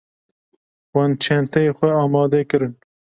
Wan çenteyê xwe amade kirin.